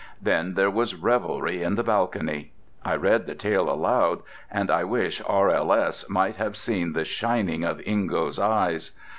Then there was revelry in the balcony! I read the tale aloud, and I wish R.L.S. might have seen the shining of Ingo's eyes!